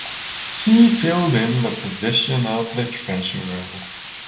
He filled in the position of the treasurer.